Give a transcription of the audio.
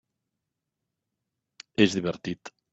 És divertit.